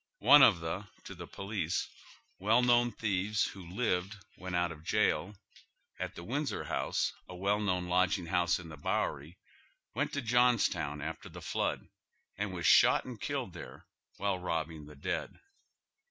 One of tlie, to the police, well known thieves who lived, when out of jail, at the Windsor, a well known lodging house in the Bowery, went to Johns town after the flood and was shot and killed there while robbing the dead.